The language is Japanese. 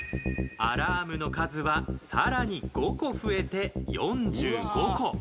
アラームの数は更に５個増えて４５個。